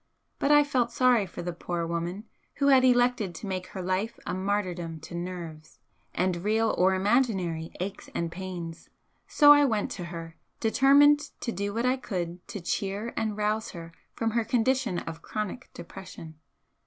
But I felt sorry for the poor woman who had elected to make her life a martyrdom to nerves, and real or imaginary aches and pains, so I went to her, determined to do what I could to cheer and rouse her from her condition of chronic depression.